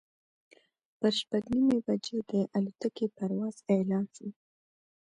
پر شپږ نیمې بجې د الوتکې پرواز اعلان شو.